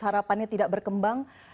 harapannya tidak berkembang